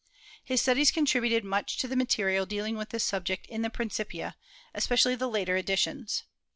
His studies contributed much to the material dealing with this subject in the Principia, especially the later editions.